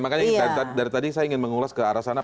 makanya dari tadi saya ingin mengulas ke arah sana